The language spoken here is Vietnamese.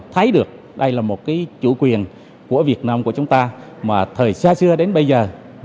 thấy được đây là một cái chủ quyền của việt nam của chúng ta mà thời xa xưa đến bây giờ